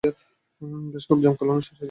বেশ, খুব জমকালো অনুষ্ঠান, রাজা স্টেফান।